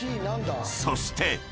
［そして］